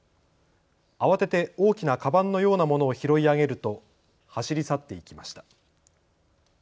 慌てて大きなかばんのようなものを拾い上げると走り去っていきました。